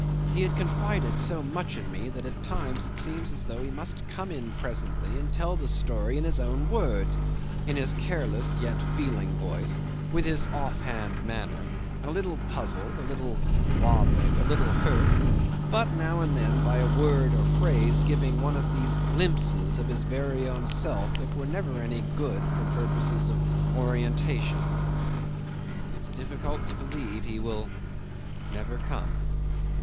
He has confided so much in me that at times it seems as though he must come in presently and tell the story in his own words, in his careless yet feeling voice, with his offhand manner, a little puzzled, a little bothered, a little hurt, but now and then by a word or a phrase giving one of these glimpses of his very own self that were never any good for purposes of orientation. It's difficult to believe he will never come.